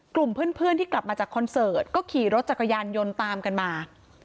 กลุ่มเพื่อนที่กลับมาจากคอนเสิร์ตก็ขี่รถจักรยานยนต์ตามกันมา